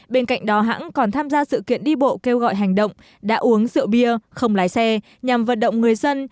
bên cạnh đó hãng còn tham gia sự kiện đi bộ kêu gọi hành động đã uống rượu bia không lái xe nhằm vận động người dân